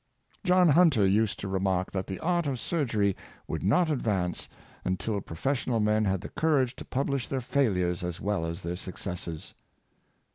John Hunter used to remark that the art of surgery would not advance until pro fessional men had the courage to publish their failures as well as their successes.